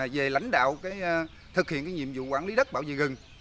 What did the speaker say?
về lãnh đạo thực hiện nhiệm vụ quản lý đất bảo vệ rừng